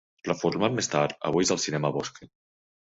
Reformat més tard, avui és el Cinema Bosque.